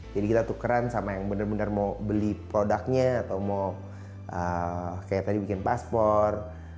jadi kita tukeran sama yang benar benar mau beli produknya atau mau bikin paspor